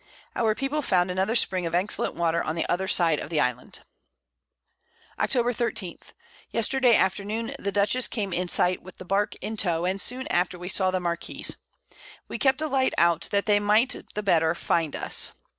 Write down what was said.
Our people found another Spring of excellent Water on the other side of the Island. [Sidenote: At Anchor at St. Marias Islands.] Octob. 13. Yesterday Afternoon the Dutchess came in sight, with the Bark in Tow, and soon after we saw the Marquiss. We kept a Light out, that they might the better find us.